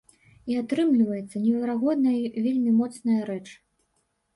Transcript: І атрымліваецца неверагодная й вельмі моцная рэч.